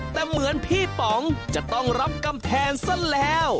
แต่เหมือนพี่ป๋องจะต้องรับกำแพงซะแล้ว